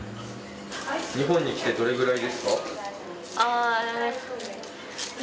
日本に来てどれくらいですか？